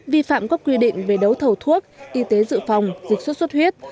vi phạm các quy định về đấu thầu thuốc y tế dự phòng dịch sốt xuất huyết